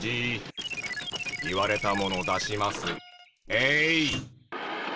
えい！